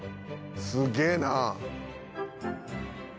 すげえなあ」